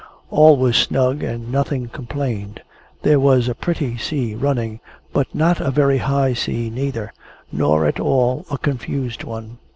All was snug, and nothing complained. There was a pretty sea running, but not a very high sea neither, nor at all a confused one.